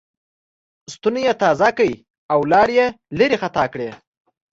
ستونی یې تازه کړ او لاړې یې لېرې خطا کړې.